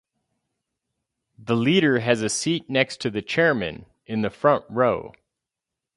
The Leader has a seat next to the Chairman, in the front row.